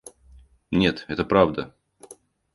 Нет, это правда.